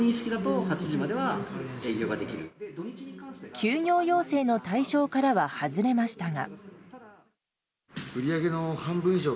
休業要請の対象からは外れましたが。